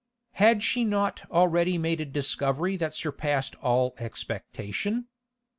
Had she not already made a discovery that surpassed all expectation?